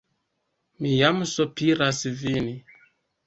Mi jam sopiras vin!